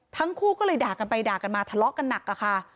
ทั้งคู่ก็เลยด่ากันไปด่ากันมาทะเลาะกันหนักอะค่ะ